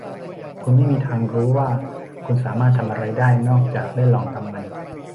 คุณไม่มีทางรู้ว่าคุณสามารถทำอะไรได้นอกจากได้ลองทำมัน